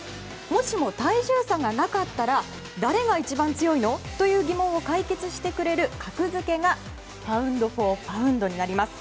もしも体重差がなかったら誰が一番強いの？という疑問を解決してくれる格付けがパウンド・フォー・パウンドになります。